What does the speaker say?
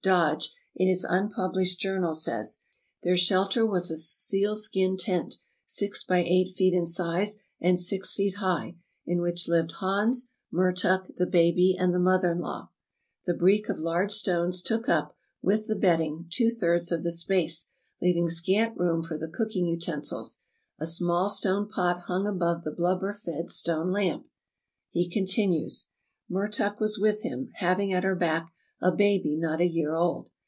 Dodge, in his unpublished journal says: "Their shelter was a seal skin tent, six by eight feet in size and six feet high, in which lived Hans, Mertuk, the baby, and the mother in law. The hreek of large stones took up, with the bedding, two thirds of the space, leaving scant room for the cooking utensils; a small stone pot hung above the blubber fed stone lamp." He continues: "Mertuk was with him, having at her back a baby not a year old.